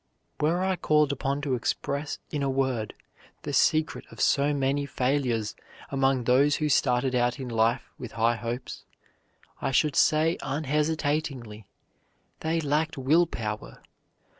Were I called upon to express in a word the secret of so many failures among those who started out in life with high hopes, I should say unhesitatingly, they lacked will power.